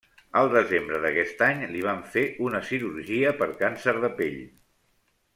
Al desembre d'aquest any, li van fer una cirurgia per càncer de pell.